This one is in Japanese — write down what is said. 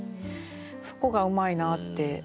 そこがうまいなって。